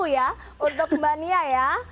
dua puluh satu ya untuk mbak nia ya